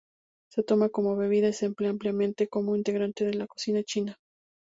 Se toma como bebida y se emplea ampliamente como ingrediente en la cocina china.